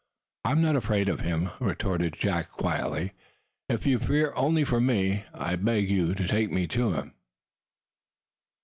"I am not afraid of him," retorted Jack quietly. "If you fear only for me, I beg you to take me to him!"